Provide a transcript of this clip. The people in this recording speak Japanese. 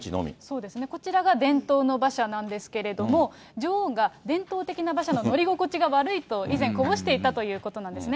そうですね、こちらが伝統の馬車なんですけれども、女王が伝統的な馬車の乗り心地が悪いと以前、こぼしていたということなんですね。